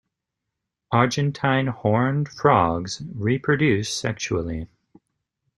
Argentine Horned frogs reproduce sexually.